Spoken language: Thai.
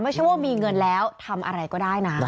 ไม่ใช่ว่ามีเงินแล้วทำอะไรก็ได้นะ